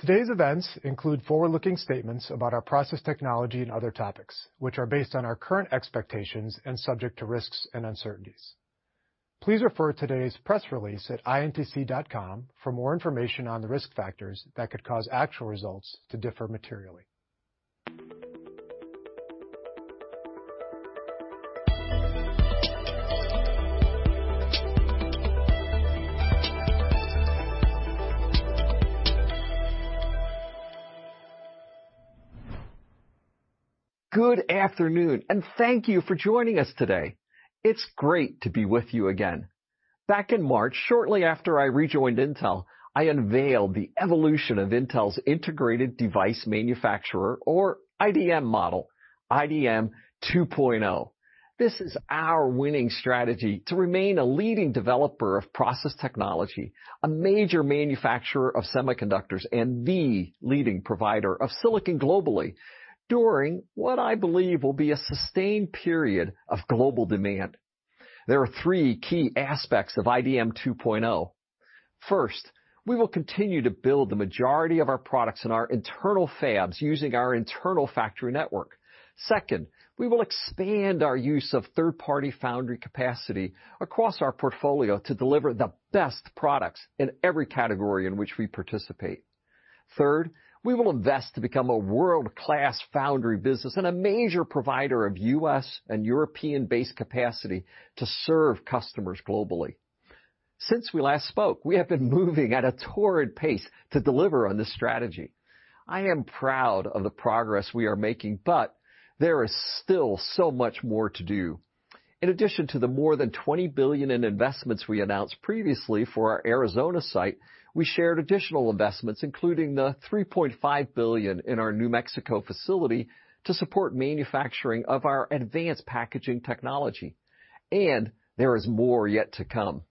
Today's events include forward-looking statements about our process technology and other topics, which are based on our current expectations and subject to risks and uncertainties. Please refer to today's press release at intc.com for more information on the risk factors that could cause actual results to differ materially. Good afternoon. Thank you for joining us today. It's great to be with you again. Back in March, shortly after I rejoined Intel, I unveiled the evolution of Intel's integrated device manufacturer or IDM model, IDM 2.0. This is our winning strategy to remain a leading developer of process technology, a major manufacturer of semiconductors, and the leading provider of silicon globally during what I believe will be a sustained period of global demand. There are three key aspects of IDM 2.0. First, we will continue to build the majority of our products in our internal fabs using our internal factory network. Second, we will expand our use of third-party foundry capacity across our portfolio to deliver the best products in every category in which we participate. Third, we will invest to become a world-class foundry business and a major provider of U.S. and European-based capacity to serve customers globally. Since we last spoke, we have been moving at a torrid pace to deliver on this strategy. I am proud of the progress we are making, but there is still so much more to do. In addition to the more than $20 billion in investments we announced previously for our Arizona site, we shared additional investments, including the $3.5 billion in our New Mexico facility to support manufacturing of our advanced packaging technology. There is more yet to come.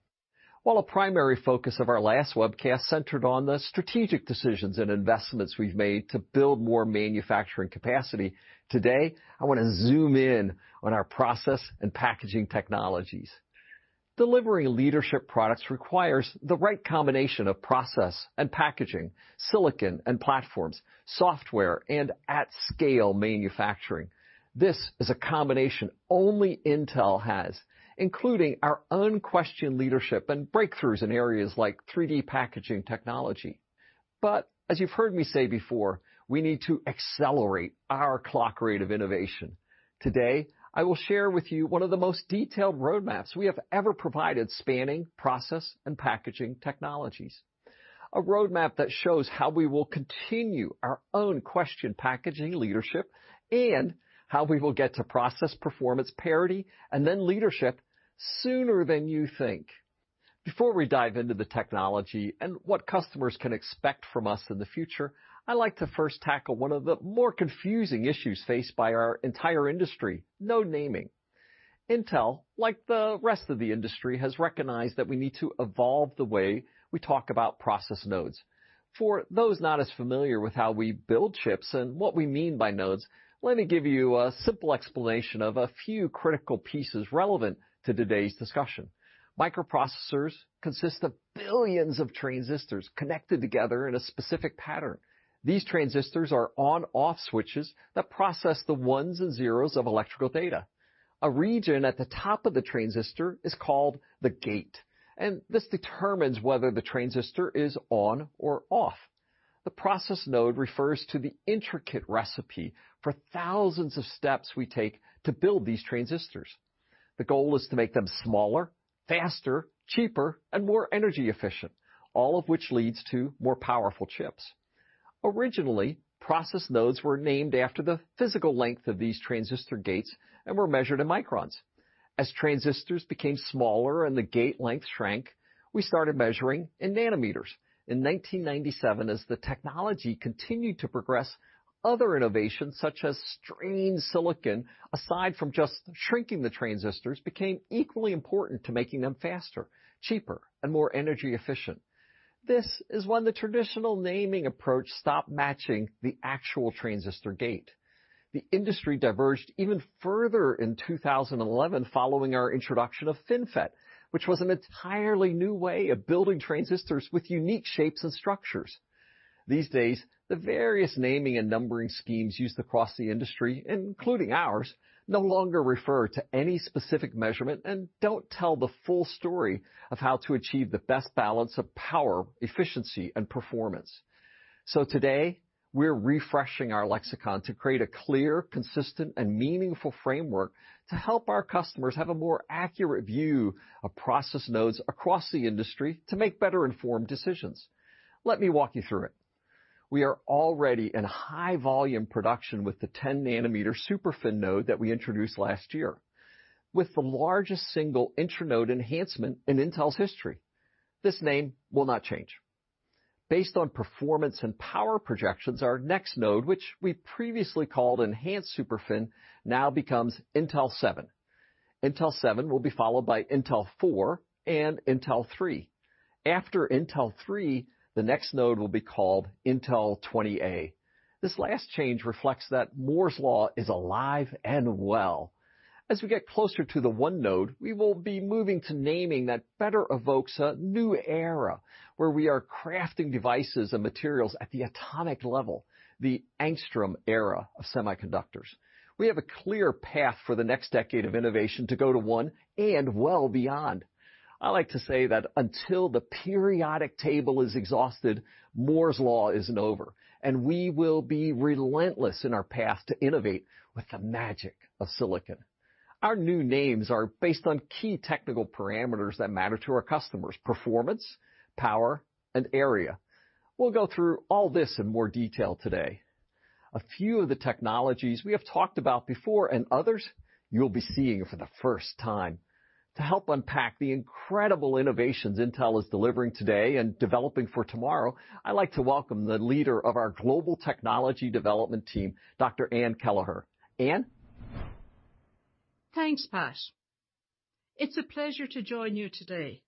While a primary focus of our last webcast centered on the strategic decisions and investments we've made to build more manufacturing capacity, today I want to zoom in on our process and packaging technologies. Delivering leadership products requires the right combination of process and packaging, silicon and platforms, software and at-scale manufacturing. This is a combination only Intel has, including our unquestioned leadership and breakthroughs in areas like 3D packaging technology. As you've heard me say before, we need to accelerate our clock rate of innovation. Today, I will share with you one of the most detailed roadmaps we have ever provided spanning process and packaging technologies. A roadmap that shows how we will continue our unquestioned packaging leadership and how we will get to process performance parity and then leadership sooner than you think. Before we dive into the technology and what customers can expect from us in the future, I'd like to first tackle one of the more confusing issues faced by our entire industry, node naming. Intel, like the rest of the industry, has recognized that we need to evolve the way we talk about process nodes. For those not as familiar with how we build chips and what we mean by nodes, let me give you a simple explanation of a few critical pieces relevant to today's discussion. Microprocessors consist of billions of transistors connected together in a specific pattern. These transistors are on/off switches that process the ones and zeros of electrical data. A region at the top of the transistor is called the gate, and this determines whether the transistor is on or off. The process node refers to the intricate recipe for thousands of steps we take to build these transistors. The goal is to make them smaller, faster, cheaper, and more energy efficient, all of which leads to more powerful chips. Originally, process nodes were named after the physical length of these transistor gates and were measured in microns. As transistors became smaller and the gate length shrank, we started measuring in nanometers. In 1997, as the technology continued to progress, other innovations such as strained silicon, aside from just shrinking the transistors, became equally important to making them faster, cheaper, and more energy efficient. This is when the traditional naming approach stopped matching the actual transistor gate. The industry diverged even further in 2011 following our introduction of FinFET, which was an entirely new way of building transistors with unique shapes and structures. These days, the various naming and numbering schemes used across the industry, including ours, no longer refer to any specific measurement and don't tell the full story of how to achieve the best balance of power, efficiency, and performance. Today, we're refreshing our lexicon to create a clear, consistent, and meaningful framework to help our customers have a more accurate view of process nodes across the industry to make better-informed decisions. Let me walk you through it. We are already in high volume production with the 10 nanometer SuperFin node that we introduced last year with the largest single inter-node enhancement in Intel's history. This name will not change. Based on performance and power projections, our next node, which we previously called enhanced SuperFin, now becomes Intel 7. Intel 7 will be followed by Intel 4 and Intel 3. After Intel 3, the next node will be called Intel 20A. This last change reflects that Moore's Law is alive and well. As we get closer to the one node, we will be moving to naming that better evokes a new era where we are crafting devices and materials at the atomic level, the Angstrom era of semiconductors. We have a clear path for the next decade of innovation to go to one and well beyond. I like to say that until the periodic table is exhausted, Moore's Law isn't over, and we will be relentless in our path to innovate with the magic of silicon. Our new names are based on key technical parameters that matter to our customers, performance, power, and area. We'll go through all this in more detail today. A few of the technologies we have talked about before and others you'll be seeing for the first time. To help unpack the incredible innovations Intel is delivering today and developing for tomorrow, I'd like to welcome the leader of our global technology development team, Dr. Ann Kelleher. Ann? Thanks, Pat. It's a pleasure to join you today.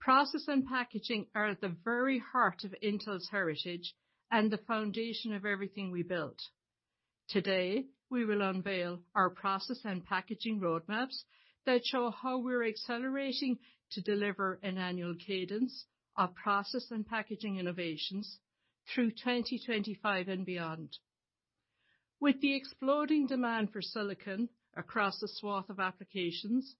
Process and packaging are at the very heart of Intel's heritage and the foundation of everything we built. Today, we will unveil our process and packaging roadmaps that show how we're accelerating to deliver an annual cadence of process and packaging innovations through 2025 and beyond. With the exploding demand for silicon across a swath of applications,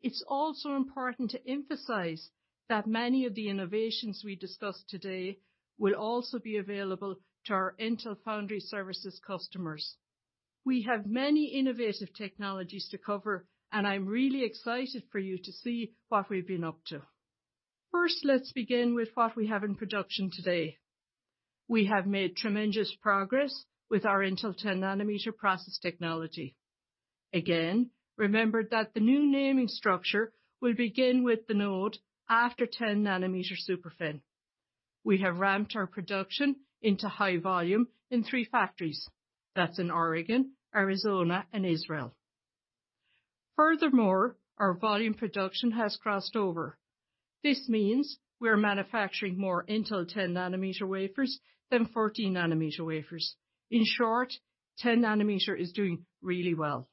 it's also important to emphasize that many of the innovations we discuss today will also be available to our Intel Foundry Services customers. We have many innovative technologies to cover, and I'm really excited for you to see what we've been up to. First, let's begin with what we have in production today. We have made tremendous progress with our Intel 10 nanometer process technology. Again, remember that the new naming structure will begin with the node after 10 nanometer SuperFin. We have ramped our production into high volume in three factories. That's in Oregon, Arizona, and Israel. Furthermore, our volume production has crossed over. This means we're manufacturing more Intel 10 nanometer wafers than 14 nanometer wafers. In short, 10 nanometer is doing really well.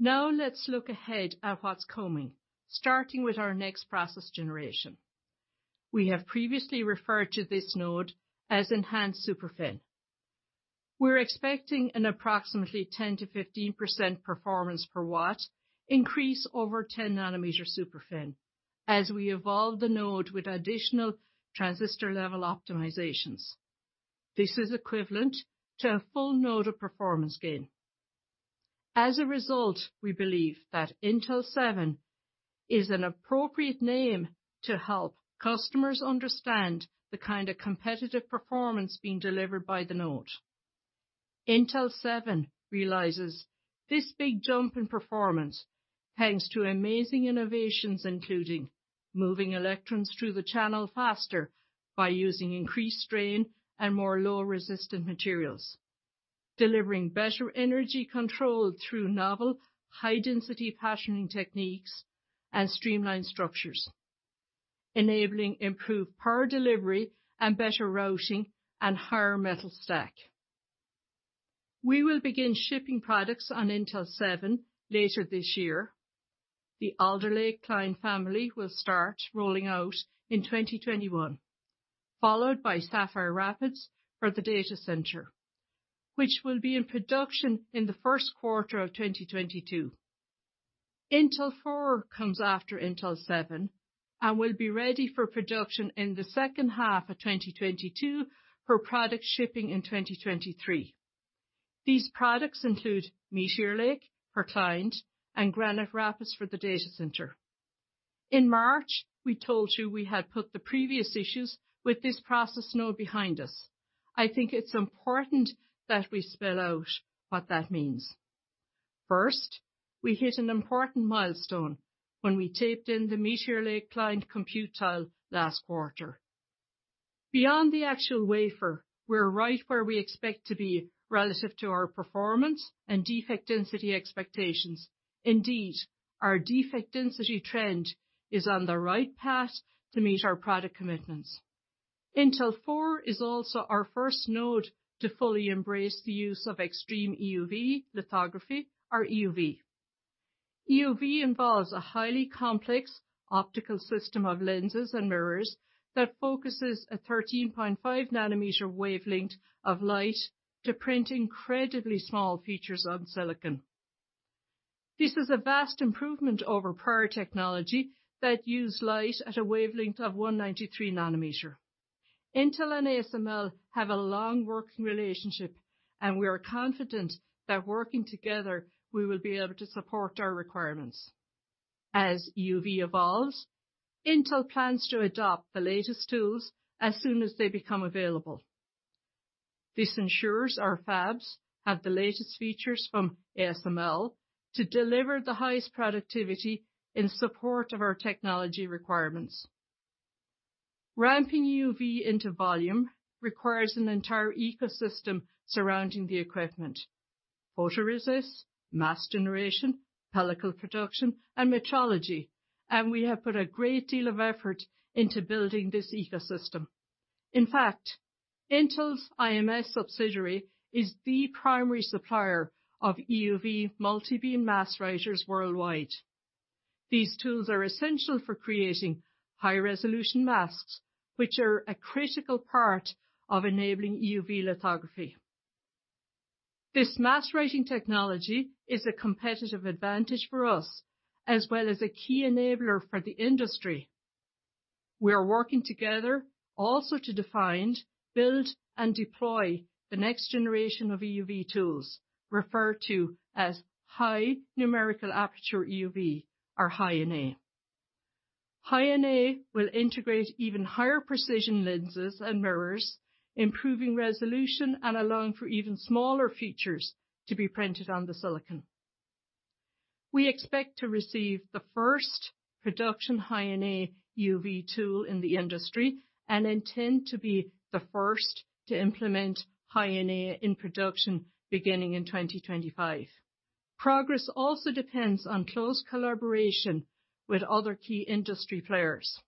Now let's look ahead at what's coming, starting with our next process generation. We have previously referred to this node as Enhanced SuperFin. We're expecting an approximately 10%-15% performance per watt increase over 10 nanometer SuperFin as we evolve the node with additional transistor-level optimizations. This is equivalent to a full node of performance gain. As a result, we believe that Intel 7 is an appropriate name to help customers understand the kind of competitive performance being delivered by the node. Intel 7 realizes this big jump in performance, thanks to amazing innovations, including moving electrons through the channel faster by using increased strain and more low-resistant materials, delivering better energy control through novel high-density patterning techniques and streamlined structures, enabling improved power delivery and better routing and higher metal stack. We will begin shipping products on Intel 7 later this year. The Alder Lake client family will start rolling out in 2021, followed by Sapphire Rapids for the data center, which will be in production in the first quarter of 2022. Intel 4 comes after Intel 7 and will be ready for production in the second half of 2022 for product shipping in 2023. These products include Meteor Lake for client and Granite Rapids for the data center. In March, we told you we had put the previous issues with this process node behind us. I think it's important that we spell out what that means. First, we hit an important milestone when we taped in the Meteor Lake client compute tile last quarter. Beyond the actual wafer, we're right where we expect to be relative to our performance and defect density expectations. Indeed, our defect density trend is on the right path to meet our product commitments. Intel 4 is also our first node to fully embrace the use of extreme EUV lithography or EUV. EUV involves a highly complex optical system of lenses and mirrors that focuses a 13.5 nanometer wavelength of light to print incredibly small features on silicon. This is a vast improvement over prior technology that use light at a wavelength of 193 nanometer. Intel and ASML have a long working relationship, and we are confident that working together, we will be able to support our requirements. As EUV evolves, Intel plans to adopt the latest tools as soon as they become available. This ensures our fabs have the latest features from ASML to deliver the highest productivity in support of our technology requirements. Ramping EUV into volume requires an entire ecosystem surrounding the equipment. Photoresist, mask generation, pellicle production, and metrology. We have put a great deal of effort into building this ecosystem. In fact, Intel's IMS subsidiary is the primary supplier of EUV multi-beam mask writers worldwide. These tools are essential for creating high-resolution masks, which are a critical part of enabling EUV lithography. This mask writing technology is a competitive advantage for us, as well as a key enabler for the industry. We are working together also to define, build, and deploy the next generation of EUV tools, referred to as high numerical aperture EUV or High-NA. High-NA will integrate even higher precision lenses and mirrors, improving resolution and allowing for even smaller features to be printed on the silicon. We expect to receive the first production High-NA EUV tool in the industry and intend to be the first to implement High-NA in production beginning in 2025. Progress also depends on close collaboration with other key industry players.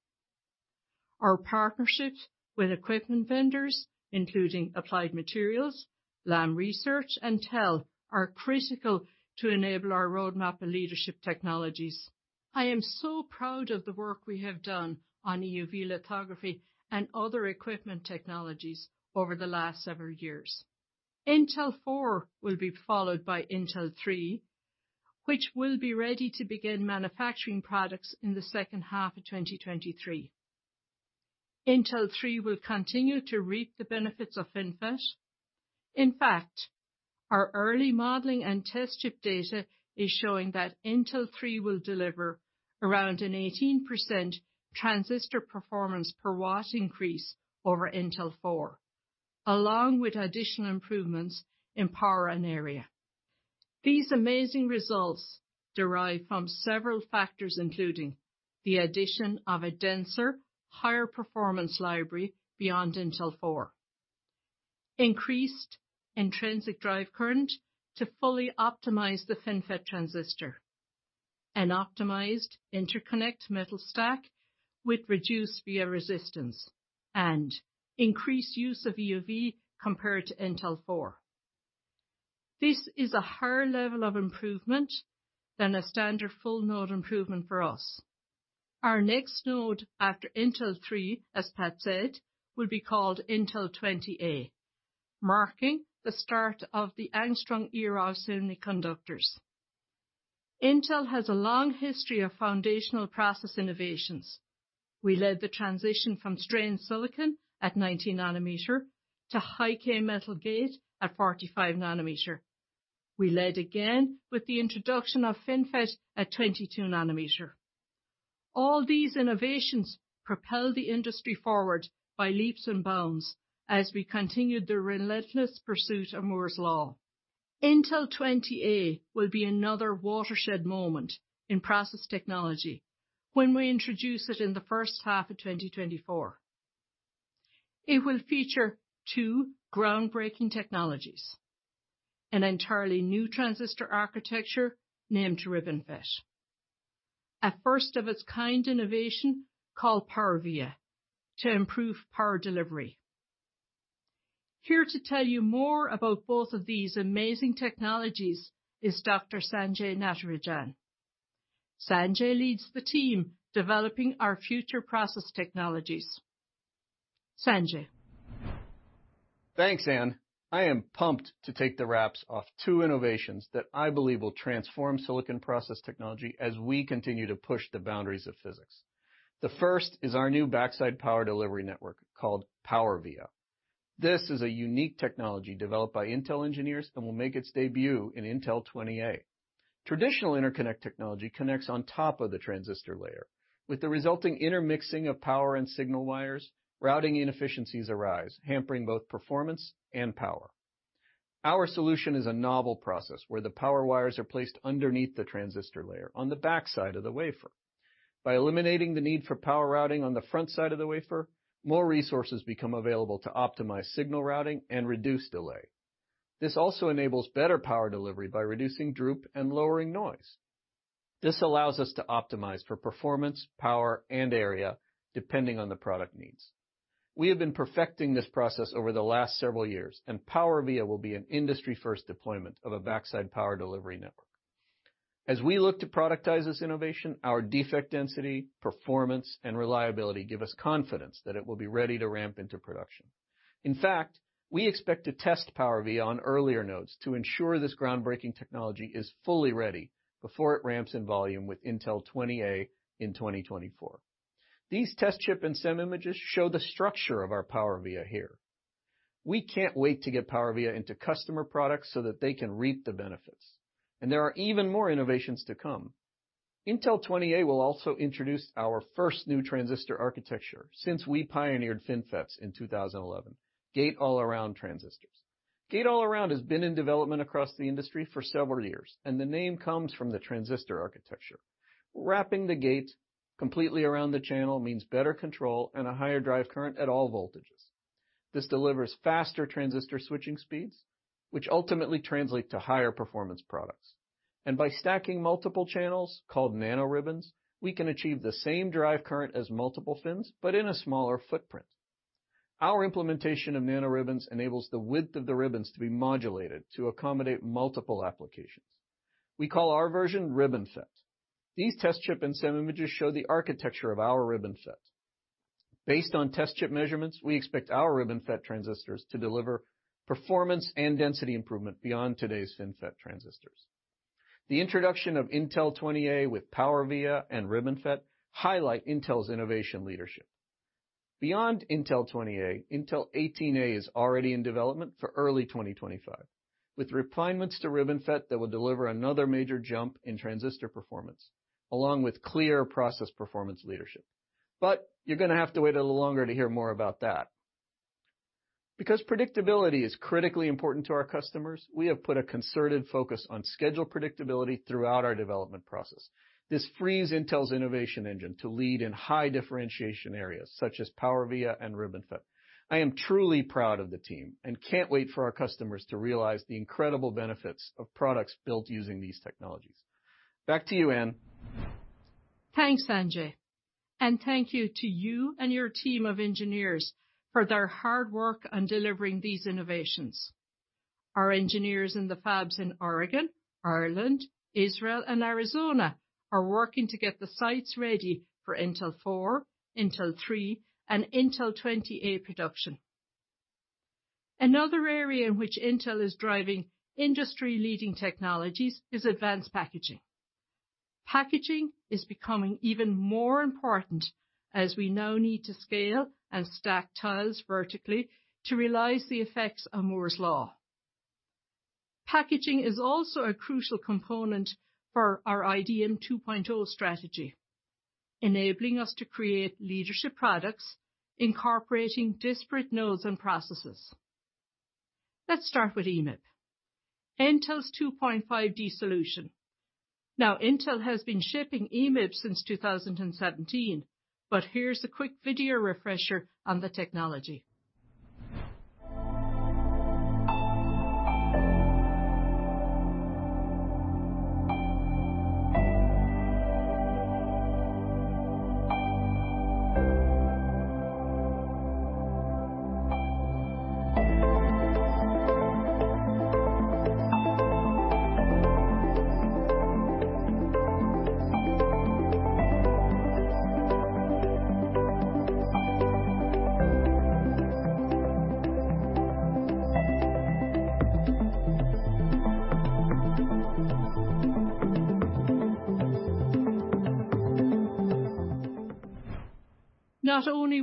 Our partnerships with equipment vendors, including Applied Materials, Lam Research, and TEL, are critical to enable our roadmap and leadership technologies. I am so proud of the work we have done on EUV lithography and other equipment technologies over the last several years. Intel 4 will be followed by Intel 3, which will be ready to begin manufacturing products in the second half of 2023. Intel 3 will continue to reap the benefits of FinFET. Our early modeling and test chip data is showing that Intel 3 will deliver around an 18% transistor performance per watt increase over Intel 4, along with additional improvements in power and area. These amazing results derive from several factors, including the addition of a denser, higher performance library beyond Intel 4, increased intrinsic drive current to fully optimize the FinFET transistor, an optimized interconnect metal stack with reduced via resistance, and increased use of EUV compared to Intel 4. This is a higher level of improvement than a standard full node improvement for us. Our next node after Intel 3, as Pat said, will be called Intel 20A, marking the start of the angstrom era of semiconductors. Intel has a long history of foundational process innovations. We led the transition from strained silicon at 90 nanometer to high-k metal gate at 45 nanometer. We led again with the introduction of FinFET at 22 nanometer. All these innovations propel the industry forward by leaps and bounds as we continued the relentless pursuit of Moore's Law. Intel 20A will be another watershed moment in process technology when we introduce it in the first half of 2024. It will feature two groundbreaking technologies, an entirely new transistor architecture named RibbonFET, a first-of-its-kind innovation called PowerVia to improve power delivery. Here to tell you more about both of these amazing technologies is Dr. Sanjay Natarajan. Sanjay leads the team developing our future process technologies. Sanjay. Thanks, Ann. I am pumped to take the wraps off two innovations that I believe will transform silicon process technology as we continue to push the boundaries of physics. The first is our new backside power delivery network called PowerVia. This is a unique technology developed by Intel engineers and will make its debut in Intel 20A. Traditional interconnect technology connects on top of the transistor layer. With the resulting intermixing of power and signal wires, routing inefficiencies arise, hampering both performance and power. Our solution is a novel process where the power wires are placed underneath the transistor layer on the backside of the wafer. By eliminating the need for power routing on the front side of the wafer, more resources become available to optimize signal routing and reduce delay. This also enables better power delivery by reducing droop and lowering noise. This allows us to optimize for performance, power, and area, depending on the product needs. We have been perfecting this process over the last several years. PowerVia will be an industry-first deployment of a backside power delivery network. As we look to productize this innovation, our defect density, performance, and reliability give us confidence that it will be ready to ramp into production. In fact, we expect to test PowerVia on earlier nodes to ensure this groundbreaking technology is fully ready before it ramps in volume with Intel 20A in 2024. These test chip and SEM images show the structure of our PowerVia here. We can't wait to get PowerVia into customer products so that they can reap the benefits. There are even more innovations to come. Intel 20A will also introduce our first new transistor architecture since we pioneered FinFETs in 2011, Gate-all-around transistors. Gate-all-around has been in development across the industry for several years. The name comes from the transistor architecture. Wrapping the gate completely around the channel means better control and a higher drive current at all voltages. This delivers faster transistor switching speeds, which ultimately translate to higher performance products. By stacking multiple channels, called nanoribbons, we can achieve the same drive current as multiple fins, but in a smaller footprint. Our implementation of nanoribbons enables the width of the ribbons to be modulated to accommodate multiple applications. We call our version RibbonFET. These test chip and SEM images show the architecture of our RibbonFET. Based on test chip measurements, we expect our RibbonFET transistors to deliver performance and density improvement beyond today's FinFET transistors. The introduction of Intel 20A with PowerVia and RibbonFET highlight Intel's innovation leadership. Beyond Intel 20A, Intel 18A is already in development for early 2025, with refinements to RibbonFET that will deliver another major jump in transistor performance, along with clear process performance leadership. You're going to have to wait a little longer to hear more about that. Because predictability is critically important to our customers, we have put a concerted focus on schedule predictability throughout our development process. This frees Intel's innovation engine to lead in high differentiation areas such as PowerVia and RibbonFET. I am truly proud of the team and can't wait for our customers to realize the incredible benefits of products built using these technologies. Back to you, Ann. Thanks, Sanjay. Thank you to you and your team of engineers for their hard work on delivering these innovations. Our engineers in the fabs in Oregon, Ireland, Israel, and Arizona are working to get the sites ready for Intel 4, Intel 3, and Intel 20A production. Another area in which Intel is driving industry-leading technologies is advanced packaging. Packaging is becoming even more important as we now need to scale and stack tiles vertically to realize the effects of Moore's Law. Packaging is also a crucial component for our IDM 2.0 strategy, enabling us to create leadership products incorporating disparate nodes and processes. Let's start with EMIB, Intel's 2.5D solution. Now, Intel has been shipping EMIB since 2017, but here's a quick video refresher on the technology.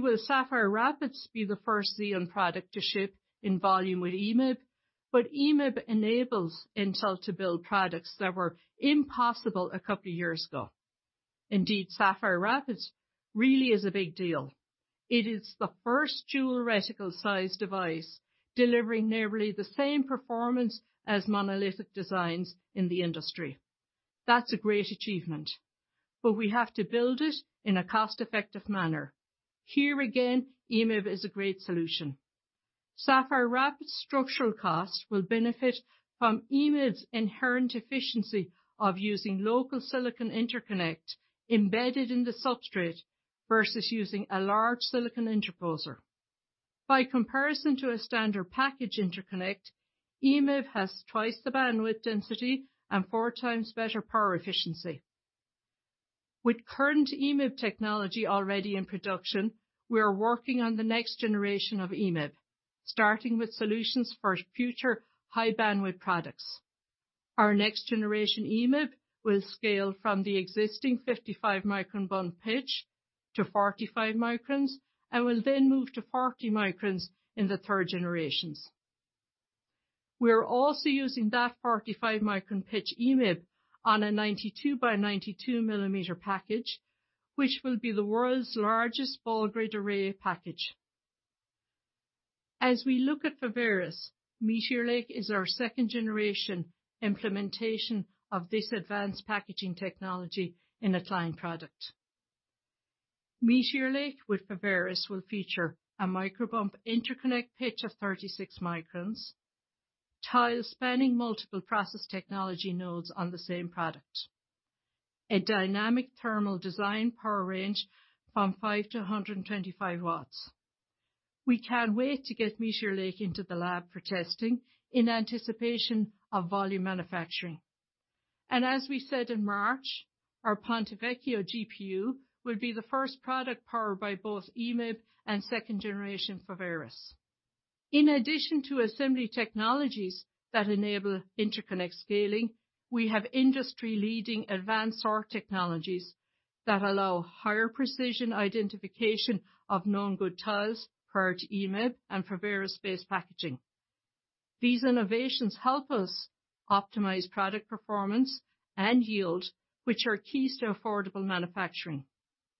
Not only will Sapphire Rapids be the first Xeon product to ship in volume with EMIB, but EMIB enables Intel to build products that were impossible a couple of years ago. Indeed, Sapphire Rapids really is a big deal. It is the first dual reticle size device delivering nearly the same performance as monolithic designs in the industry. That's a great achievement, but we have to build it in a cost-effective manner. Here again, EMIB is a great solution. Sapphire Rapids structural cost will benefit from EMIB's inherent efficiency of using local silicon interconnect embedded in the substrate versus using a large silicon interposer. By comparison to a standard package interconnect, EMIB has twice the bandwidth density and four times better power efficiency. With current EMIB technology already in production, we are working on the next generation of EMIB, starting with solutions for future high bandwidth products. Our next generation EMIB will scale from the existing 55-micron bump pitch to 45 microns and will then move to 40 microns in the third generations. We are also using that 45-micron pitch EMIB on a 92 by 92 millimeter package, which will be the world's largest ball grid array package. We look at Foveros, Meteor Lake is our second generation implementation of this advanced packaging technology in a client product. Meteor Lake with Foveros will feature a micro bump interconnect pitch of 36 microns, tiles spanning multiple process technology nodes on the same product. A dynamic thermal design power range from five-125 watts. We can't wait to get Meteor Lake into the lab for testing in anticipation of volume manufacturing. As we said in March, our Ponte Vecchio GPU will be the first product powered by both EMIB and second generation Foveros. In addition to assembly technologies that enable interconnect scaling, we have industry-leading advanced R&D technologies that allow higher precision identification of known good tiles prior to EMIB and Foveros-based packaging. These innovations help us optimize product performance and yield, which are keys to affordable manufacturing.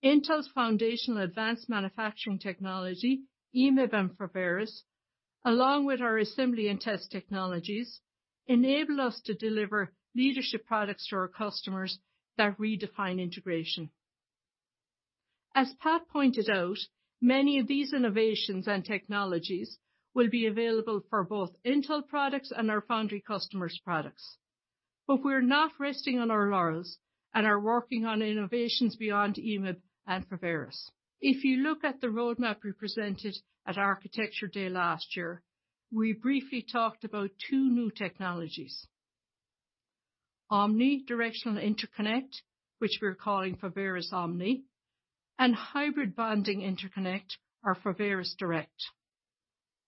Intel's foundational advanced manufacturing technology, EMIB and Foveros, along with our assembly and test technologies enable us to deliver leadership products to our customers that redefine integration. As Pat pointed out, many of these innovations and technologies will be available for both Intel products and our foundry customers' products. We're not resting on our laurels and are working on innovations beyond EMIB and Foveros. If you look at the roadmap we presented at Architecture Day last year, we briefly talked about two new technologies, omnidirectional interconnect, which we're calling Foveros Omni, and hybrid bonding interconnect, or Foveros Direct.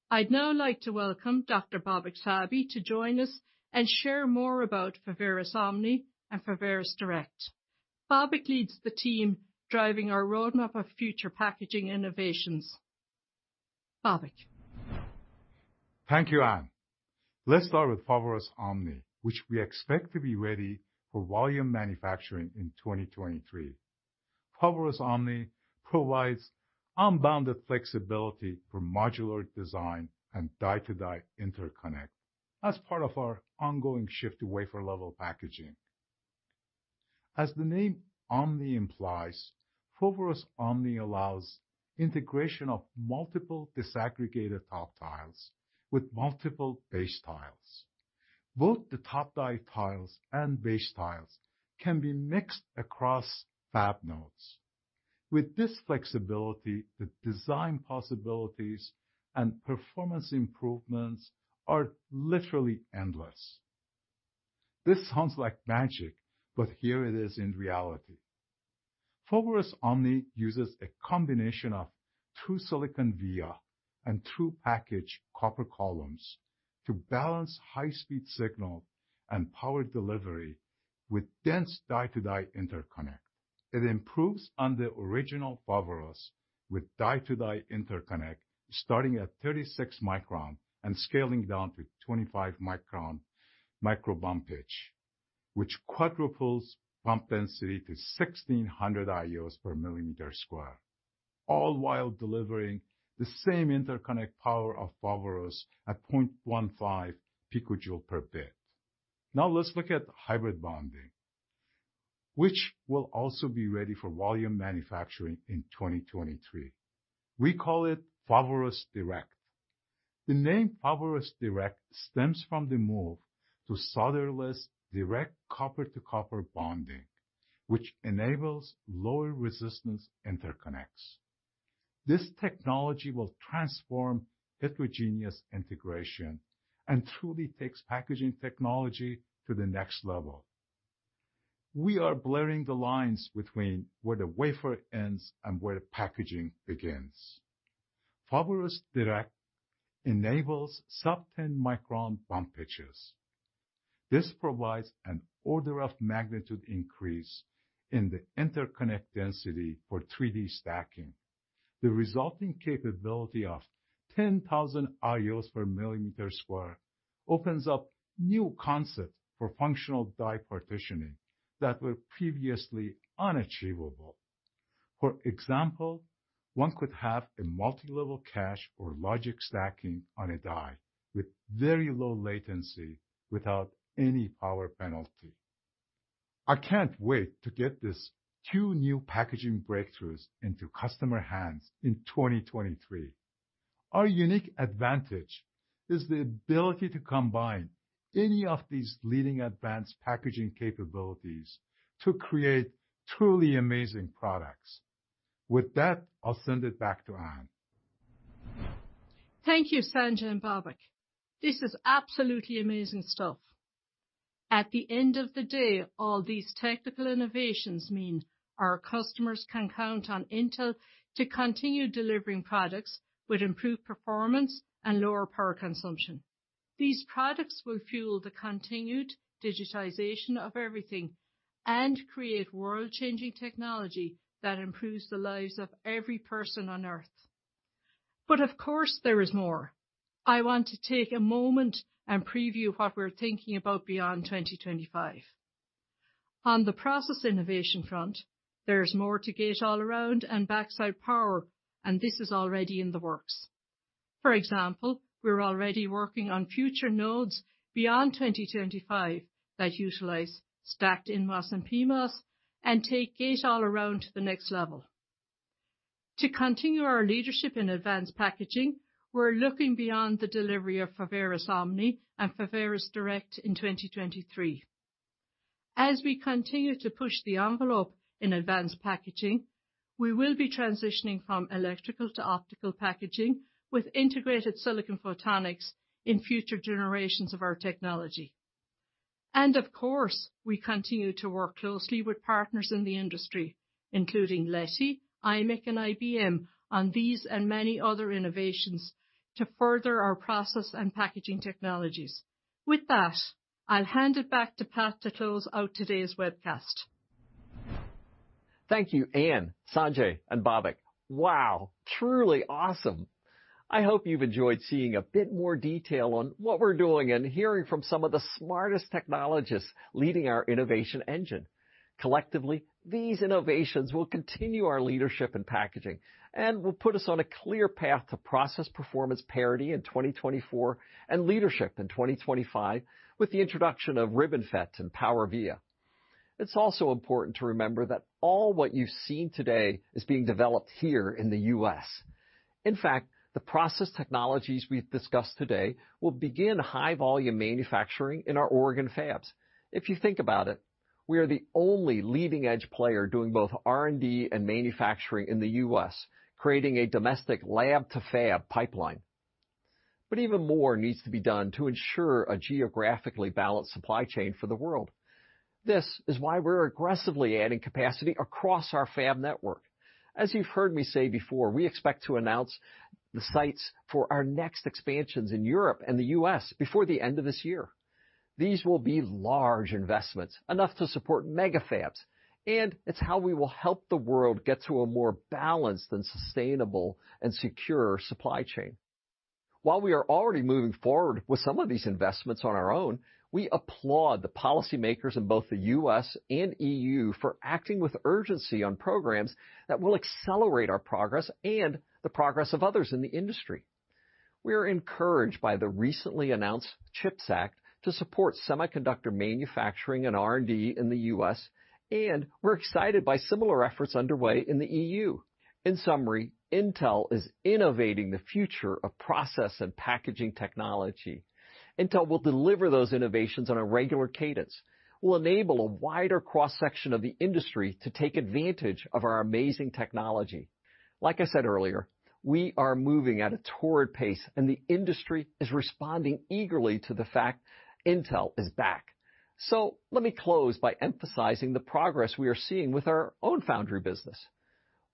I'd now like to welcome Dr. Babak Sabi to join us and share more about Foveros Omni and Foveros Direct. Babak leads the team driving our roadmap of future packaging innovations. Babak. Thank you, Ann. Let's start with Foveros Omni, which we expect to be ready for volume manufacturing in 2023. Foveros Omni provides unbounded flexibility for modular design and die-to-die interconnect as part of our ongoing shift to wafer level packaging. As the name Omni implies, Foveros Omni allows integration of multiple disaggregated top tiles with multiple base tiles. Both the top die tiles and base tiles can be mixed across fab nodes. With this flexibility, the design possibilities and performance improvements are literally endless. This sounds like magic, but here it is in reality. Foveros Omni uses a combination of two silicon via and two package copper columns to balance high speed signal and power delivery with dense die-to-die interconnect. It improves on the original Foveros with die-to-die interconnect, starting at 36 micron and scaling down to 25 micron micro bump pitch, which quadruples bump density to 1,600 IUs per millimeter square, all while delivering the same interconnect power of Foveros at 0.15 picojoule per bit. Let's look at hybrid bonding, which will also be ready for volume manufacturing in 2023. We call it Foveros Direct. The name Foveros Direct stems from the move to solderless direct copper-to-copper bonding, which enables lower resistance interconnects. This technology will transform heterogeneous integration and truly takes packaging technology to the next level. We are blurring the lines between where the wafer ends and where the packaging begins. Foveros Direct enables sub-10 micron bump pitches. This provides a one order of magnitude increase in the interconnect density for 3D stacking. The resulting capability of 10,000 IUs per millimeter square opens up new concepts for functional die partitioning that were previously unachievable. For example, one could have a multilevel cache or logic stacking on a die with very low latency without any power penalty. I cannot wait to get these two new packaging breakthroughs into customer hands in 2023. Our unique advantage is the ability to combine any of these leading advanced packaging capabilities to create truly amazing products. With that, I will send it back to Ann. Thank you, Sanjay and Babak. This is absolutely amazing stuff. At the end of the day, all these technical innovations mean our customers can count on Intel to continue delivering products with improved performance and lower power consumption. These products will fuel the continued digitization of everything and create world-changing technology that improves the lives of every person on Earth. Of course, there is more. I want to take a moment and preview what we're thinking about beyond 2025. On the process innovation front, there's more to gate-all-around and PowerVia, and this is already in the works. For example, we're already working on future nodes beyond 2025 that utilize stacked NMOS and PMOS and take gate-all-around to the next level. To continue our leadership in advanced packaging, we're looking beyond the delivery of Foveros Omni and Foveros Direct in 2023. As we continue to push the envelope in advanced packaging, we will be transitioning from electrical to optical packaging with integrated silicon photonics in future generations of our technology. Of course, we continue to work closely with partners in the industry, including CEA-Leti, imec, and IBM on these and many other innovations to further our process and packaging technologies. With that, I'll hand it back to Pat to close out today's webcast. Thank you, Ann, Sanjay, and Babak. Wow, truly awesome. I hope you've enjoyed seeing a bit more detail on what we're doing and hearing from some of the smartest technologists leading our innovation engine. Collectively, these innovations will continue our leadership in packaging and will put us on a clear path to process performance parity in 2024 and leadership in 2025 with the introduction of RibbonFET and PowerVia. It's also important to remember that all what you've seen today is being developed here in the U.S. In fact, the process technologies we've discussed today will begin high-volume manufacturing in our Oregon fabs. If you think about it, we are the only leading-edge player doing both R&D and manufacturing in the U.S., creating a domestic lab-to-fab pipeline. Even more needs to be done to ensure a geographically balanced supply chain for the world. This is why we're aggressively adding capacity across our fab network. As you've heard me say before, we expect to announce the sites for our next expansions in Europe and the U.S. before the end of this year. These will be large investments, enough to support mega fabs, and it's how we will help the world get to a more balanced and sustainable and secure supply chain. While we are already moving forward with some of these investments on our own, we applaud the policymakers in both the U.S. and EU for acting with urgency on programs that will accelerate our progress and the progress of others in the industry. We are encouraged by the recently announced CHIPS Act to support semiconductor manufacturing and R&D in the U.S. We're excited by similar efforts underway in the EU. In summary, Intel is innovating the future of process and packaging technology. Intel will deliver those innovations on a regular cadence. We'll enable a wider cross-section of the industry to take advantage of our amazing technology. Like I said earlier, we are moving at a torrid pace, and the industry is responding eagerly to the fact Intel is back. Let me close by emphasizing the progress we are seeing with our own foundry business.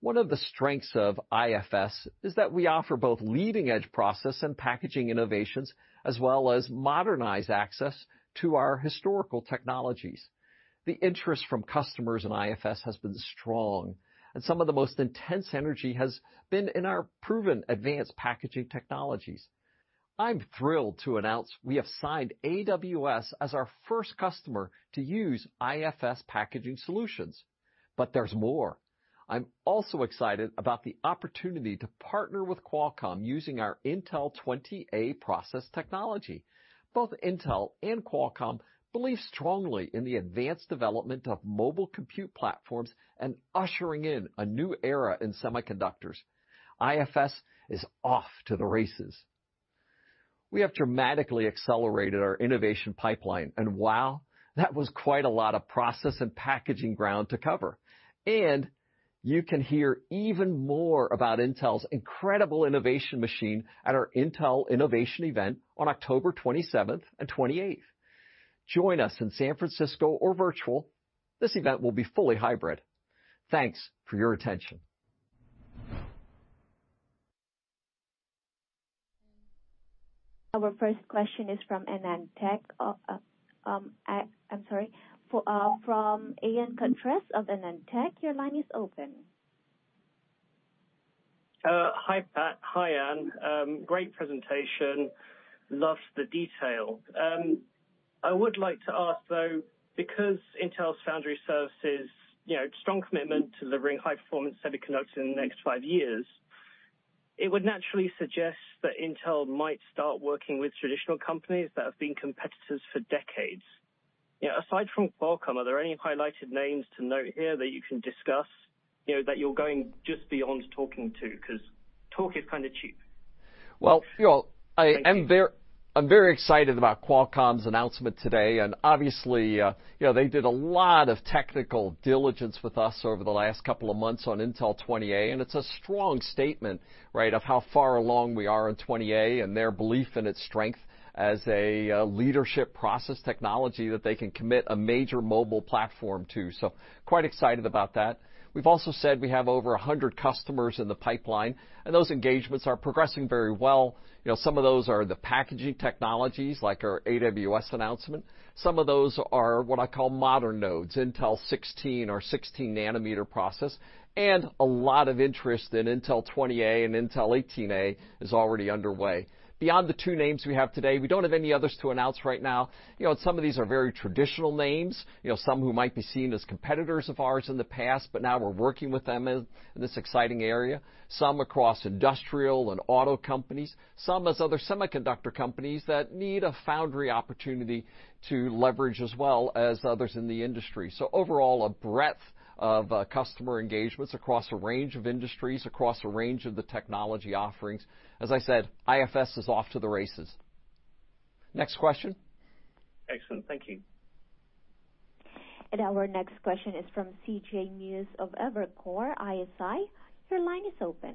One of the strengths of IFS is that we offer both leading-edge process and packaging innovations, as well as modernized access to our historical technologies. The interest from customers in IFS has been strong, and some of the most intense energy has been in our proven advanced packaging technologies. I'm thrilled to announce we have signed AWS as our first customer to use IFS packaging solutions. There's more. I'm also excited about the opportunity to partner with Qualcomm using our Intel 20A process technology. Both Intel and Qualcomm believe strongly in the advanced development of mobile compute platforms and ushering in a new era in semiconductors. IFS is off to the races. We have dramatically accelerated our innovation pipeline, and wow, that was quite a lot of process and packaging ground to cover. You can hear even more about Intel's incredible innovation machine at our Intel Innovation event on October 27th and 28th. Join us in San Francisco or virtual. This event will be fully hybrid. Thanks for your attention. Our first question is from Ian Cutress of AnandTech. Your line is open. Hi, Pat. Hi, Ann. Great presentation. Loved the detail. I would like to ask, though, because Intel Foundry Services strong commitment to delivering high-performance semiconductors in the next five years, it would naturally suggest that Intel might start working with traditional companies that have been competitors for decades. Aside from Qualcomm, are there any highlighted names to note here that you can discuss that you're going just beyond talking to? Talk is kind of cheap. Well, I'm very excited about Qualcomm's announcement today. Obviously they did a lot of technical diligence with us over the last couple of months on Intel 20A. It's a strong statement of how far along we are in 20A and their belief in its strength as a leadership process technology that they can commit a major mobile platform to. Quite excited about that. We've also said we have over 100 customers in the pipeline. Those engagements are progressing very well. Some of those are the packaging technologies, like our AWS announcement. Some of those are what I call modern nodes, Intel 16 or 16 nanometer process. A lot of interest in Intel 20A and Intel 18A is already underway. Beyond the two names we have today, we don't have any others to announce right now. Some of these are very traditional names, some who might be seen as competitors of ours in the past, but now we're working with them in this exciting area. Some across industrial and auto companies, some as other semiconductor companies that need a foundry opportunity to leverage as well as others in the industry. Overall, a breadth of customer engagements across a range of industries, across a range of the technology offerings. As I said, IFS is off to the races. Next question. Excellent. Thank you. Our next question is from C.J. Muse of Evercore ISI. Your line is open.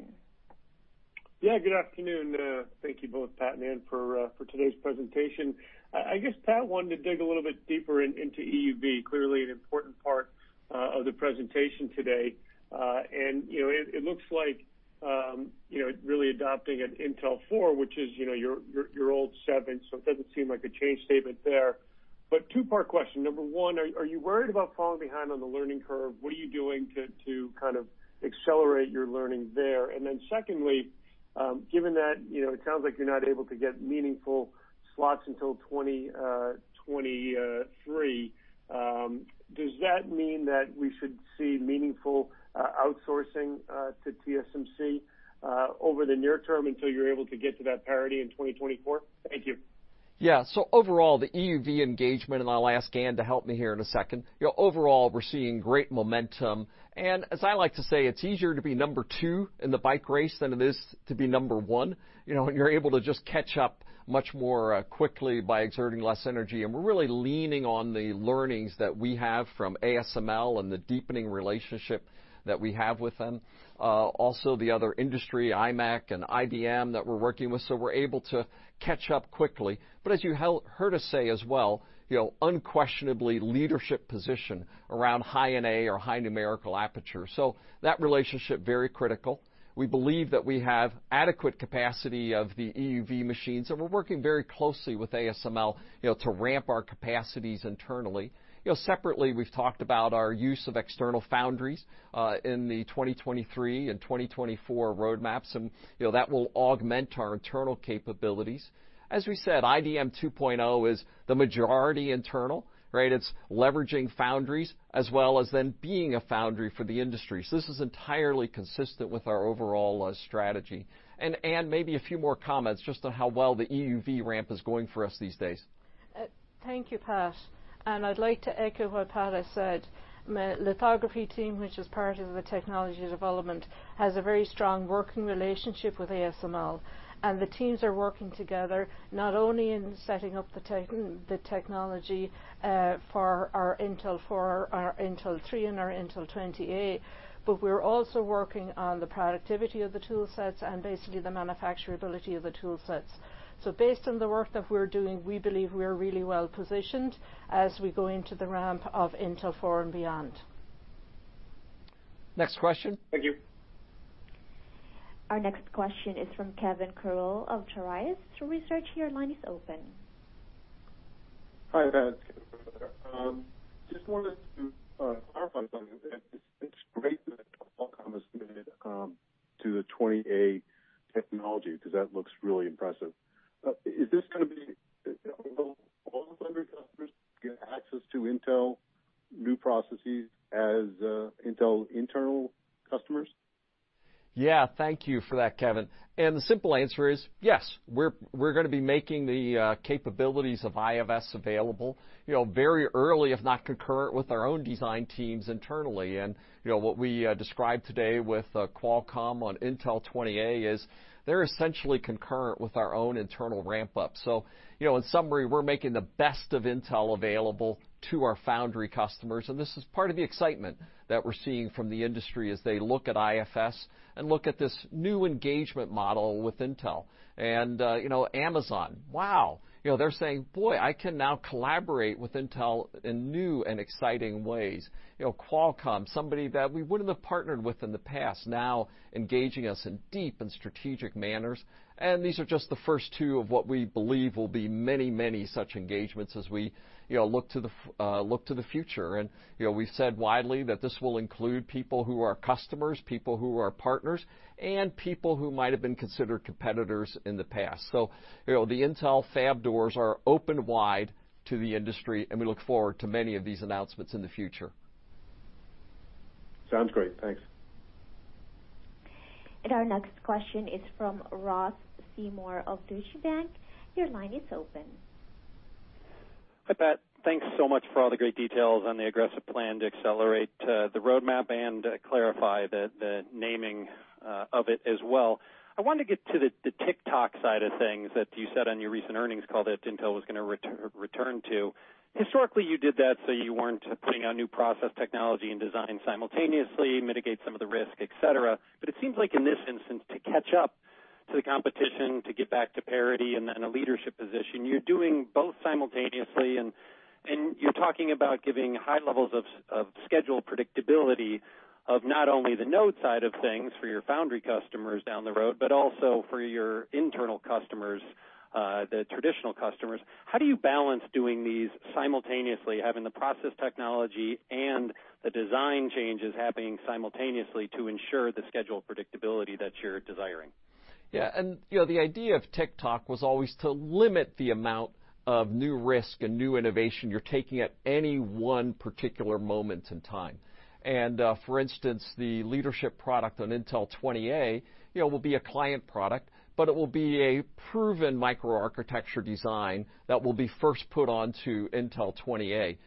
Yeah, good afternoon. Thank you both, Pat and Ann, for today's presentation. I guess, Pat, wanted to dig a little bit deeper into EUV, clearly an important part of the presentation today. It looks like really adopting an Intel 4, which is your old seven, it doesn't seem like a change statement there. Two-part question. Number one, are you worried about falling behind on the learning curve? What are you doing to kind of accelerate your learning there? Then secondly, given that it sounds like you're not able to get meaningful slots until 2023, does that mean that we should see meaningful outsourcing to TSMC over the near term until you're able to get to that parity in 2024? Thank you. Yeah. Overall, the EUV engagement, and I'll ask Ann to help me here in a second. Overall, we're seeing great momentum, and as I like to say, it's easier to be number two in the bike race than it is to be number one. You're able to just catch up much more quickly by exerting less energy, and we're really leaning on the learnings that we have from ASML and the deepening relationship that we have with them. Also, the other industry, imec and IDM, that we're working with, so we're able to catch up quickly. As you heard us say as well, unquestionably leadership position around High-NA or high numerical aperture. That relationship, very critical. We believe that we have adequate capacity of the EUV machines, and we're working very closely with ASML to ramp our capacities internally. Separately, we've talked about our use of external foundries in the 2023 and 2024 roadmaps, and that will augment our internal capabilities. As we said, IDM 2.0 is the majority internal. It's leveraging foundries as well as then being a foundry for the industry. This is entirely consistent with our overall strategy. Ann, maybe a few more comments just on how well the EUV ramp is going for us these days. Thank you, Pat. I'd like to echo what Pat has said. My lithography team, which is part of the technology development, has a very strong working relationship with ASML. The teams are working together not only in setting up the technology for our Intel 4, our Intel 3 and our Intel 20A, but we're also working on the productivity of the tool sets and basically the manufacturability of the tool sets. Based on the work that we're doing, we believe we are really well positioned as we go into the ramp of Intel 4 and beyond. Next question. Thank you. Our next question is from Kevin Krewell of Tirias Research. Your line is open. Hi, Pat. Kevin Krewell here. Just wanted to clarify something. It's great that Qualcomm is committed to the 20A technology because that looks really impressive. Will all foundry customers get access to Intel new processes as Intel internal customers? Thank you for that, Kevin. The simple answer is yes. We're going to be making the capabilities of IFS available very early, if not concurrent, with our own design teams internally. What we described today with Qualcomm on Intel 20A is they're essentially concurrent with our own internal ramp up. In summary, we're making the best of Intel available to our foundry customers, and this is part of the excitement that we're seeing from the industry as they look at IFS and look at this new engagement model with Intel. Amazon, wow, they're saying, "Boy, I can now collaborate with Intel in new and exciting ways." Qualcomm, somebody that we wouldn't have partnered with in the past, now engaging us in deep and strategic manners. These are just the first two of what we believe will be many such engagements as we look to the future. We've said widely that this will include people who are customers, people who are partners, and people who might have been considered competitors in the past. The Intel fab doors are open wide to the industry, and we look forward to many of these announcements in the future. Sounds great. Thanks. Our next question is from Ross Seymore of Deutsche Bank. Your line is open. Hi, Pat. Thanks so much for all the great details on the aggressive plan to accelerate the roadmap and clarify the naming of it as well. I wanted to get to the Tick-Tock side of things that you said on your recent earnings call that Intel was going to return to. Historically, you did that so you weren't putting out new process technology and design simultaneously, mitigate some of the risk, et cetera. It seems like in this instance, to catch up to the competition, to get back to parity and a leadership position, you're doing both simultaneously, and you're talking about giving high levels of schedule predictability of not only the node side of things for your foundry customers down the road, but also for your internal customers, the traditional customers. How do you balance doing these simultaneously, having the process technology and the design changes happening simultaneously to ensure the schedule predictability that you're desiring? Yeah. The idea of Tick-Tock was always to limit the amount of new risk and new innovation you're taking at any one particular moment in time. For instance, the leadership product on Intel 20A will be a client product, but it will be a proven microarchitecture design that will be first put onto Intel 20A.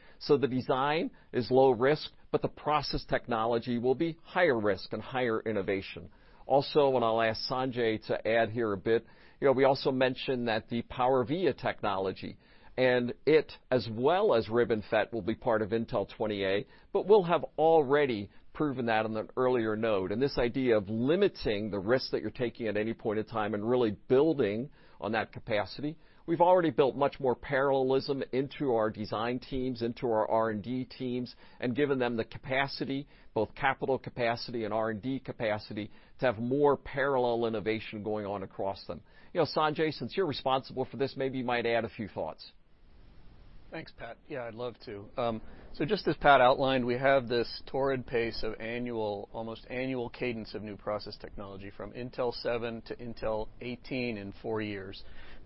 I'll ask Sanjay to add here a bit. We also mentioned that the PowerVia technology, and it as well as RibbonFET, will be part of Intel 20A, but we'll have already proven that on an earlier node. This idea of limiting the risk that you're taking at any point in time and really building on that capacity. We've already built much more parallelism into our design teams, into our R&D teams, and given them the capacity, both capital capacity and R&D capacity, to have more parallel innovation going on across them. Sanjay, since you're responsible for this, maybe you might add a few thoughts. Thanks, Pat. Yeah, I'd love to. Just as Pat outlined, we have this torrid pace of almost annual cadence of new process technology from Intel 7 to Intel 18 in four years.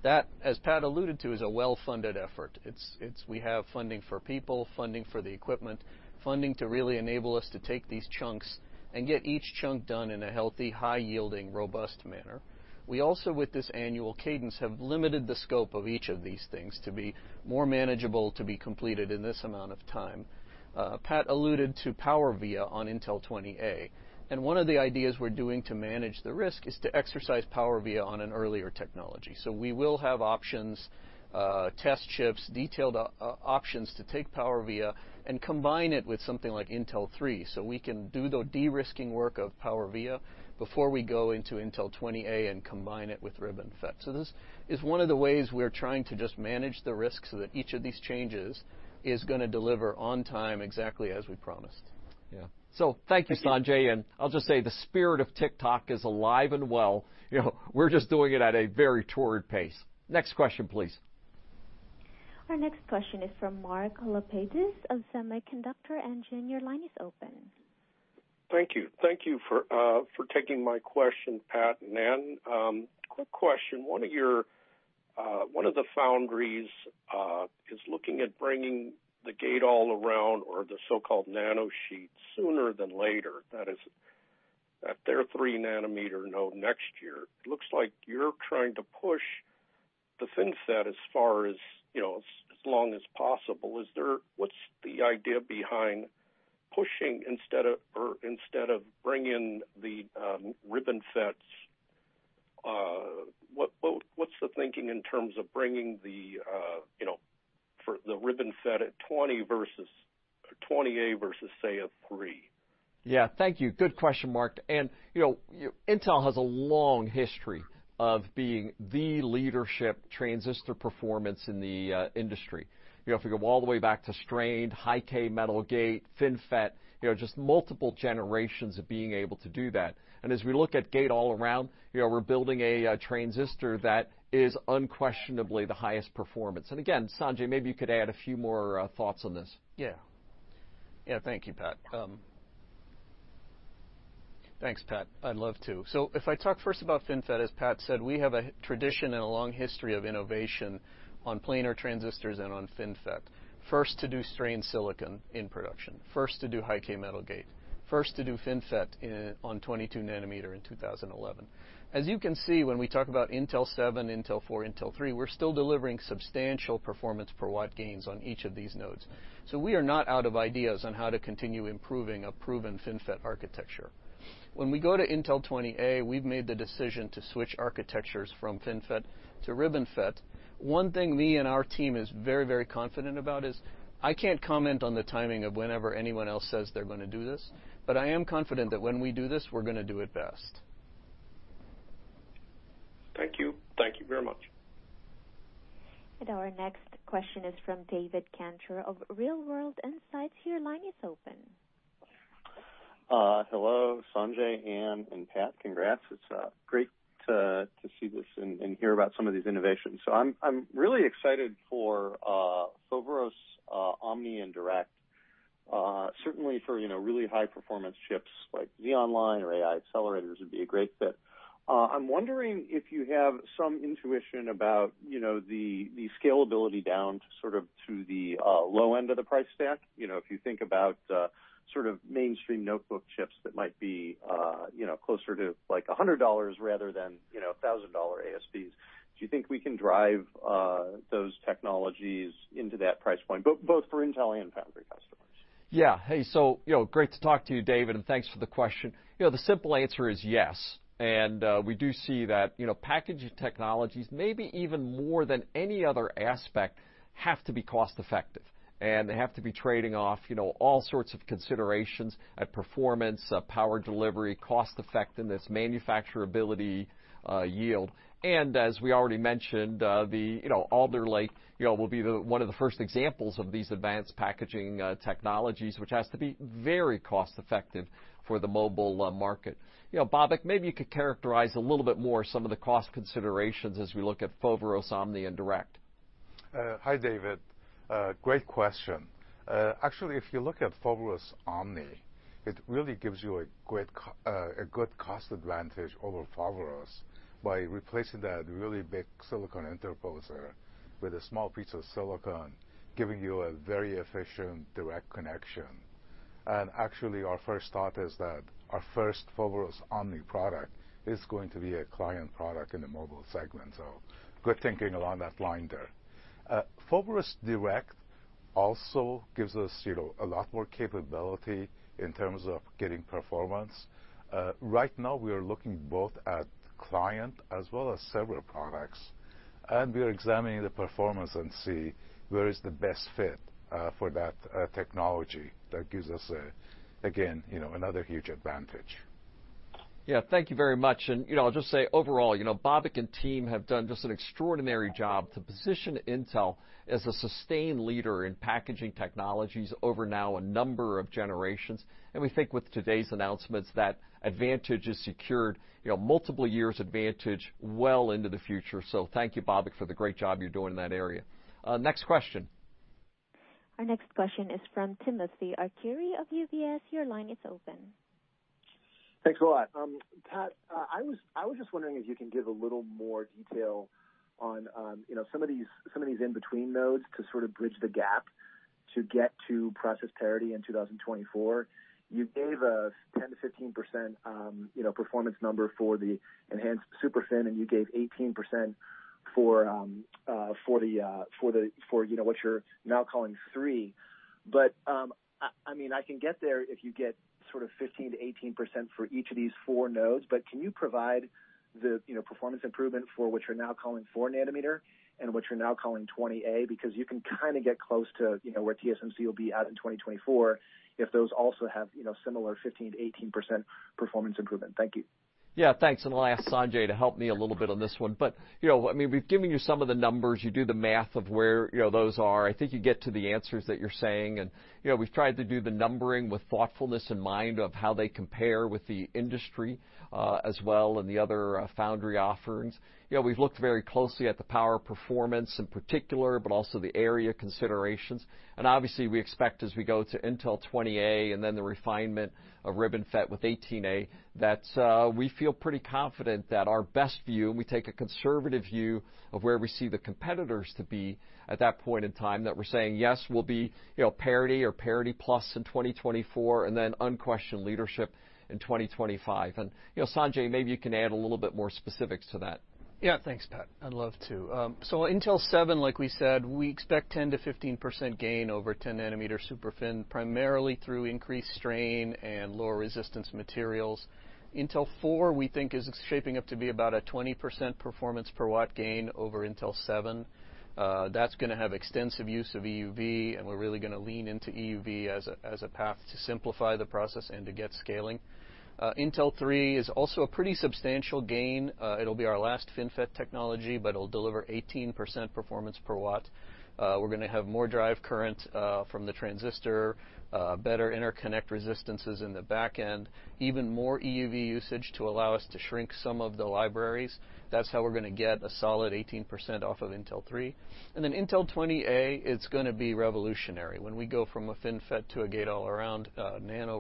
That, as Pat alluded to, is a well-funded effort. We have funding for people, funding for the equipment, funding to really enable us to take these chunks and get each chunk done in a healthy, high-yielding, robust manner. We also, with this annual cadence, have limited the scope of each of these things to be more manageable to be completed in this amount of time. Pat alluded to PowerVia on Intel 20A, and one of the ideas we're doing to manage the risk is to exercise PowerVia on an earlier technology. We will have options, test chips, detailed options to take PowerVia and combine it with something like Intel 3, so we can do the de-risking work of PowerVia before we go into Intel 20A and combine it with RibbonFET. This is one of the ways we're trying to just manage the risk so that each of these changes is going to deliver on time exactly as we promised. Yeah. Thank you, Sanjay, and I'll just say the spirit of Tick-Tock is alive and well. We're just doing it at a very torrid pace. Next question, please. Our next question is from Mark LaPedus of Semiconductor Engineering. Your line is open. Thank you. Thank you for taking my question, Pat and Ann. Quick question, one of the foundries is looking at bringing the gate-all-around or the so-called nanosheet sooner than later. That is at their three nanometer node next year. It looks like you're trying to push the FinFET as far as long as possible. What's the idea behind pushing instead of bringing the RibbonFET? What's the thinking in terms of bringing the RibbonFET at 20A versus, say, a three? Yeah. Thank you. Good question, Mark. Intel has a long history of being the leadership transistor performance in the industry. If we go all the way back to strained, high K metal gate, FinFET, just multiple generations of being able to do that. As we look at gate-all-around, we're building a transistor that is unquestionably the highest performance. Again, Sanjay, maybe you could add a few more thoughts on this. Yeah. Thank you, Pat. Thanks, Pat. I'd love to. If I talk first about FinFET, as Pat said, we have a tradition and a long history of innovation on planar transistors and on FinFET. First to do strained silicon in production. First to do high K metal gate. First to do FinFET on 22 nanometer in 2011. As you can see, when we talk about Intel 7, Intel 4, Intel 3, we're still delivering substantial performance per watt gains on each of these nodes. We are not out of ideas on how to continue improving a proven FinFET architecture. When we go to Intel 20A, we've made the decision to switch architectures from FinFET to RibbonFET. One thing me and our team is very confident about is I can't comment on the timing of whenever anyone else says they're going to do this, but I am confident that when we do this, we're going to do it best. Thank you. Thank you very much. Our next question is from David Kanter of Real World Insights. Your line is open. Hello, Sanjay, Ann, and Pat. Congrats. It's great to see this and hear about some of these innovations. I'm really excited for Foveros Omni and Direct, certainly for really high performance chips like vOnline or AI accelerators would be a great fit. I'm wondering if you have some intuition about the scalability down sort of to the low end of the price stack. If you think about sort of mainstream notebook chips that might be closer to $100 rather than $1,000 ASPs. Do you think we can drive those technologies into that price point, both for Intel and foundry customers? Hey, so great to talk to you, David, and thanks for the question. The simple answer is yes. We do see that packaging technologies, maybe even more than any other aspect, have to be cost effective, and they have to be trading off all sorts of considerations at performance, power delivery, cost effectiveness, manufacturability, yield. As we already mentioned, Alder Lake will be one of the first examples of these advanced packaging technologies, which has to be very cost effective for the mobile market. Babak, maybe you could characterize a little bit more some of the cost considerations as we look at Foveros Omni and Direct. Hi, David. Great question. Actually, if you look at Foveros Omni, it really gives you a good cost advantage over Foveros by replacing that really big silicon interposer with a small piece of silicon, giving you a very efficient direct connection. Actually, our first thought is that our first Foveros Omni product is going to be a client product in the mobile segment. Good thinking along that line there. Foveros Direct also gives us a lot more capability in terms of getting performance. Right now we are looking both at client as well as server products, and we are examining the performance and see where is the best fit for that technology that gives us, again, another huge advantage. Yeah. Thank you very much. I'll just say overall, Babak and team have done just an extraordinary job to position Intel as a sustained leader in packaging technologies over now a number of generations. We think with today's announcements, that advantage is secured multiple years advantage well into the future. Thank you, Babak, for the great job you're doing in that area. Next question. Our next question is from Timothy Arcuri of UBS. Your line is open. Thanks a lot. Pat, I was just wondering if you can give a little more detail on some of these in-between nodes to sort of bridge the gap to get to process parity in 2024. You gave a 10%-15% performance number for the enhanced SuperFin, and you gave 18% for what you're now calling Intel 3. I can get there if you get sort of 15%-18% for each of these four nodes. Can you provide the performance improvement for what you're now calling Intel 4 and what you're now calling Intel 20A? You can kind of get close to where TSMC will be at in 2024 if those also have similar 15%-18% performance improvement. Thank you. Yeah, thanks. I'll ask Sanjay to help me a little bit on this one. We've given you some of the numbers. You do the math of where those are. I think you get to the answers that you're saying, and we've tried to do the numbering with thoughtfulness in mind of how they compare with the industry, as well, and the other foundry offerings. We've looked very closely at the power performance in particular, but also the area considerations. Obviously, we expect as we go to Intel 20A and then the refinement of RibbonFET with 18A, that we feel pretty confident that our best view, and we take a conservative view of where we see the competitors to be at that point in time, that we're saying, yes, we'll be parity or parity plus in 2024, and then unquestioned leadership in 2025. Sanjay, maybe you can add a little bit more specifics to that. Yeah. Thanks, Pat. I'd love to. Intel 7, like we said, we expect 10%-15% gain over 10 nm SuperFin, primarily through increased strain and lower resistance materials. Intel 4, we think, is shaping up to be about a 20% performance per watt gain over Intel 7. That's going to have extensive use of EUV, and we're really going to lean into EUV as a path to simplify the process and to get scaling. Intel 3 is also a pretty substantial gain. It'll be our last FinFET technology, but it'll deliver 18% performance per watt. We're going to have more drive current from the transistor, better interconnect resistances in the back end, even more EUV usage to allow us to shrink some of the libraries. That's how we're going to get a solid 18% off of Intel 3. Intel 20A, it's going to be revolutionary when we go from a FinFET to a gate-all-around nano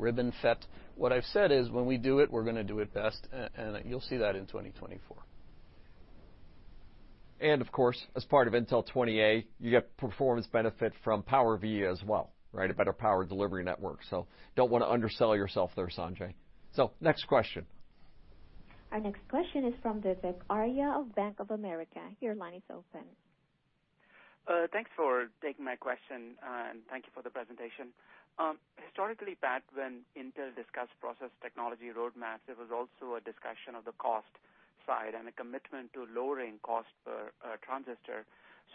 RibbonFET. What I've said is, when we do it, we're going to do it best, and you'll see that in 2024. Of course, as part of Intel 20A, you get performance benefit from PowerVia as well, right? A better power delivery network. Don't want to undersell yourself there, Sanjay. Next question. Our next question is from Vivek Arya of Bank of America. Your line is open. Thanks for taking my question, and thank you for the presentation. Historically, Pat, when Intel discussed process technology roadmap, there was also a discussion of the cost side and a commitment to lowering cost per transistor.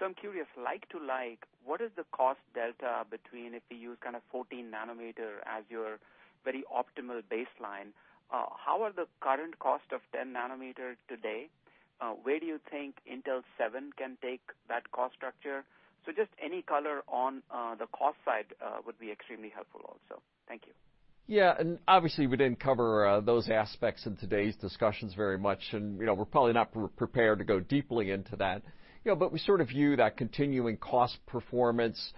I'm curious, like to like, what is the cost delta between if you use kind of 14nm as your very optimal baseline? How are the current cost of 10nm today? Where do you think Intel 7 can take that cost structure? Just any color on the cost side would be extremely helpful also. Thank you. Yeah. Obviously, we didn't cover those aspects in today's discussions very much, and we're probably not prepared to go deeply into that. We sort of view that continuing cost performance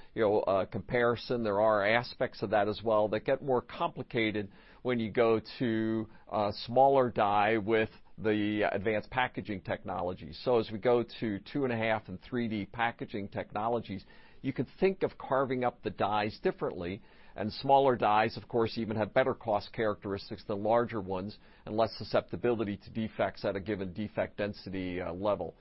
comparison. There are aspects of that as well that get more complicated when you go to a smaller die with the advanced packaging technology. As we go to 2.5D And 3D packaging technologies, you can think of carving up the dies differently, and smaller dies, of course, even have better cost characteristics than larger ones and less susceptibility to defects at a given defect density level.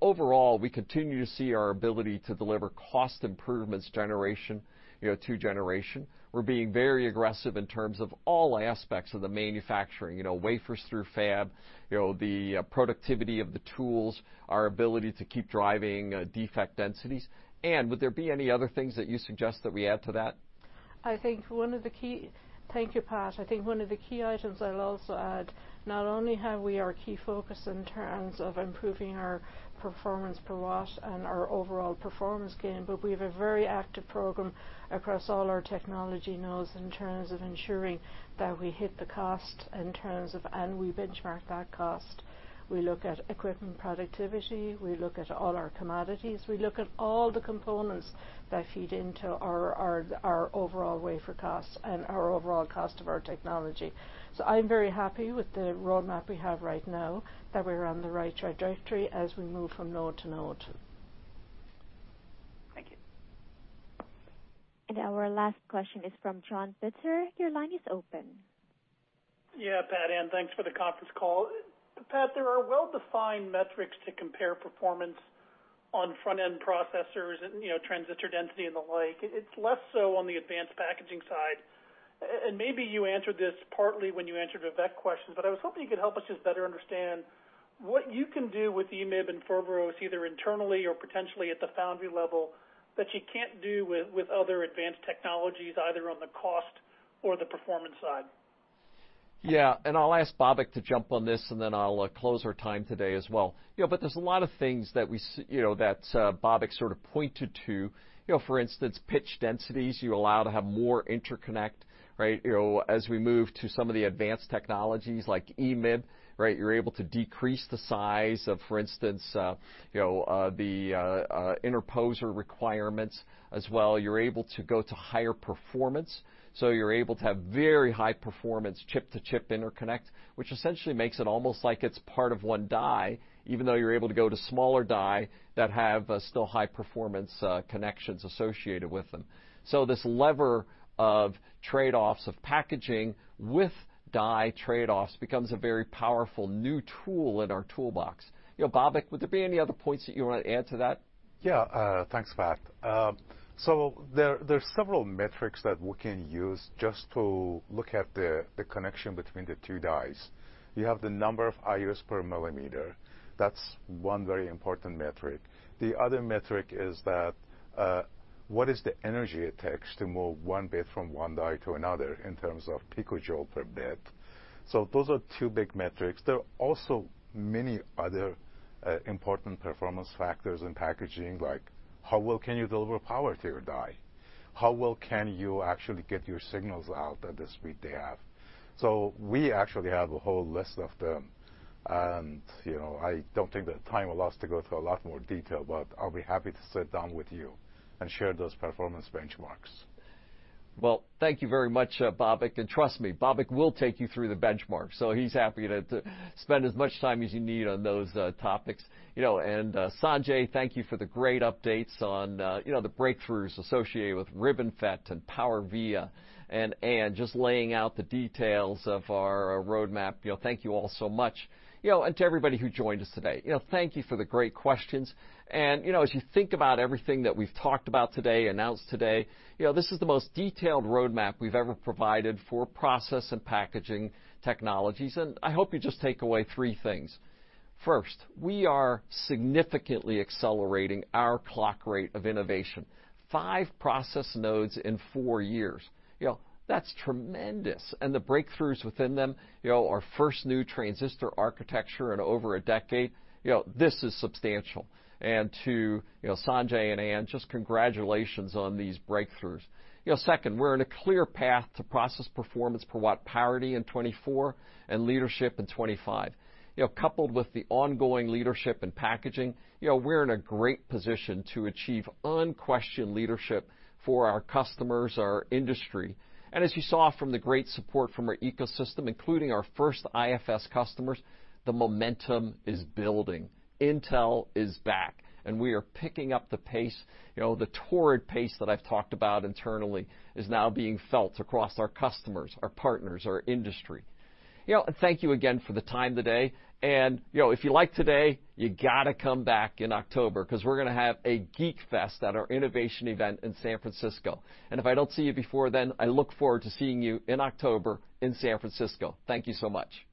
Overall, we continue to see our ability to deliver cost improvements generation to generation. We're being very aggressive in terms of all aspects of the manufacturing, wafers through fab, the productivity of the tools, our ability to keep driving defect densities. Ann, would there be any other things that you suggest that we add to that? Thank you, Pat. I think one of the key items I'll also add, not only have we our key focus in terms of improving our performance per watt and our overall performance gain, but we have a very active program across all our technology nodes in terms of ensuring that we hit the cost in terms of, and we benchmark that cost. We look at equipment productivity. We look at all our commodities. We look at all the components that feed into our overall wafer cost and our overall cost of our technology. I'm very happy with the roadmap we have right now, that we're on the right trajectory as we move from node to node. Thank you. Our last question is from John Pitzer. Your line is open. Yeah, Pat, Ann, thanks for the conference call. Pat, there are well-defined metrics to compare performance on front-end processors and transistor density and the like. It's less so on the advanced packaging side, and maybe you answered this partly when you answered Vivek's question, but I was hoping you could help us just better understand what you can do with EMIB and Foveros, either internally or potentially at the foundry level, that you can't do with other advanced technologies, either on the cost or the performance side. I'll ask Babak to jump on this, and then I'll close our time today as well. There's a lot of things that Babak sort of pointed to. For instance, pitch densities, you're allowed to have more interconnect. As we move to some of the advanced technologies like EMIB, you're able to decrease the size of, for instance, the interposer requirements as well. You're able to go to higher performance, so you're able to have very high performance chip-to-chip interconnect, which essentially makes it almost like it's part of one die, even though you're able to go to smaller die that have still high performance connections associated with them. This lever of trade-offs of packaging with die trade-offs becomes a very powerful new tool in our toolbox. Babak, would there be any other points that you want to add to that? Yeah, thanks, Pat. There's several metrics that we can use just to look at the connection between the two dies. You have the number of IUs per millimeter. That's one very important metric. The other metric is what is the energy it takes to move one bit from one die to another in terms of picojoule per bit. Those are two big metrics. There are also many other important performance factors in packaging, like how well can you deliver power to your die? How well can you actually get your signals out at the speed they have? We actually have a whole list of them, and I don't think the time allows to go through a lot more detail, but I'll be happy to sit down with you and share those performance benchmarks. Well, thank you very much, Babak. Trust me, Babak will take you through the benchmarks, so he's happy to spend as much time as you need on those topics. Sanjay, thank you for the great updates on the breakthroughs associated with RibbonFET and PowerVia. Ann, just laying out the details of our roadmap. Thank you all so much. To everybody who joined us today, thank you for the great questions. As you think about everything that we've talked about today, announced today, this is the most detailed roadmap we've ever provided for process and packaging technologies, and I hope you just take away three things. First, we are significantly accelerating our clock rate of innovation. Five process nodes in four years. That's tremendous. The breakthroughs within them, our first new transistor architecture in over a decade, this is substantial. To Sanjay and Ann, just congratulations on these breakthroughs. Second, we're in a clear path to process performance per watt parity in 2024 and leadership in 2025. Coupled with the ongoing leadership in packaging, we're in a great position to achieve unquestioned leadership for our customers, our industry. As you saw from the great support from our ecosystem, including our first IFS customers, the momentum is building. Intel is back, and we are picking up the pace. The torrid pace that I've talked about internally is now being felt across our customers, our partners, our industry. Thank you again for the time today. If you like today, you got to come back in October because we're going to have a geek fest at our Innovation event in San Francisco. If I don't see you before then, I look forward to seeing you in October in San Francisco. Thank you so much.